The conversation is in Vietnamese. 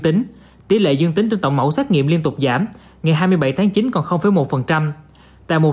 tính tỷ lệ dương tính trên tổng mẫu xét nghiệm liên tục giảm ngày hai mươi bảy tháng chín còn một tại một